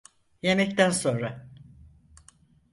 Yemekten sonra.